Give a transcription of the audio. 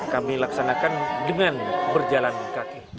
kami laksanakan dengan berjalan kaki